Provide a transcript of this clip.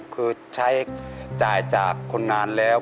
คือใช้จ่ายจากคนงานแล้ว